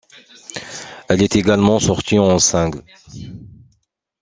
Elle est également sortie en single.